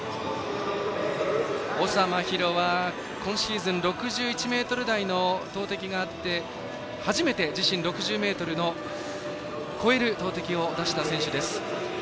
長麻尋は今シーズンに６１ｍ台の投てきがあって初めて、自身６０ｍを超える投てきを出した選手です。